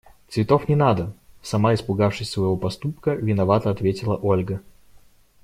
– Цветов не надо! – сама испугавшись своего поступка, виновато ответила Ольга.